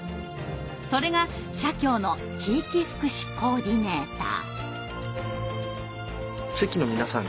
それが社協の地域福祉コーディネーター。